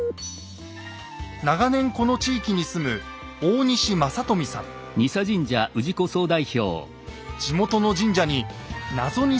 長年この地域に住む地元の神社に謎に迫る手がかりがあるといいます。